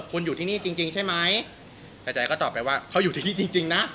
คุณอยู่ที่นี่จริงจริงใช่ไหมแต่ใจก็ตอบไปว่าเขาอยู่ที่นี่จริงจริงนะ